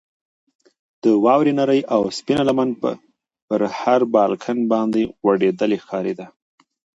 د واورې نرۍ او سپینه لمنه پر هر بالکن باندې غوړېدلې ښکارېده.